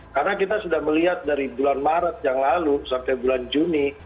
karena kita sudah melihat dari bulan maret yang lalu sampai bulan juni